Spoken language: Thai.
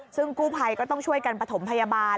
ซึ่งกู้ภัยก็ต้องช่วยกันประถมพยาบาล